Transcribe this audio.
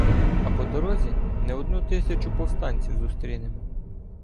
А по дорозі не одну тисячу повстанців зустрінемо.